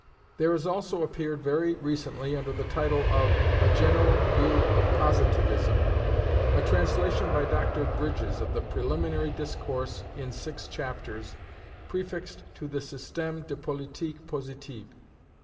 There has also appeared very recently, under the title of "A General View of Positivism," a translation by Dr Bridges, of the Preliminary Discourse in six chapters, prefixed to the Système de Politique Positive.